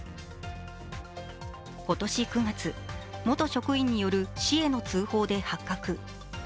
今年９月、元職員による市への通報で発覚。